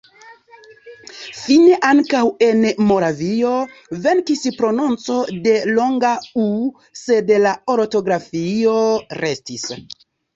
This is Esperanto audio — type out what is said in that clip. Fine ankaŭ en Moravio venkis prononco de longa u, sed la ortografio restis.